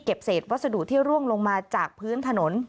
เศษวัสดุที่ร่วงลงมาจากพื้นถนน